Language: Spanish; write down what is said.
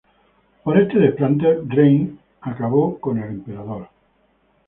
Por este desplante, rain acabó con el emperador.